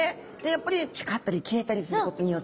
やっぱり光ったり消えたりすることによって。